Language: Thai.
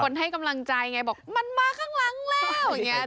คนให้กำลังใจไงบอกมันมาข้างหลังแล้ว